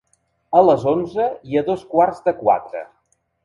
A les onze i a dos quarts de quatre.